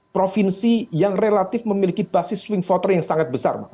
provinsi yang relatif memiliki basis swing voter yang sangat besar